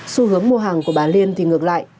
xu hướng mua hàng của bà liên thì ngược lại